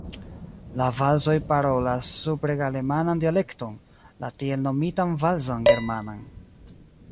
La valzoj parolas supregalemanan dialekton, la tiel nomitan valzan germanan.